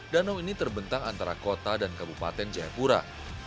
danau ini terbentang antara kota dan kabupaten jayapura